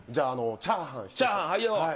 チャーハン。